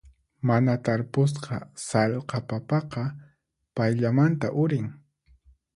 Mana tarpusqa sallqa papaqa payllamanta urin.